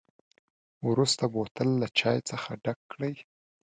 وروسته بوتل له چای څخه ډک کړئ.